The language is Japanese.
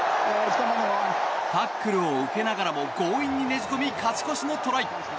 タックルを受けながらも強引にねじ込み勝ち越しのトライ。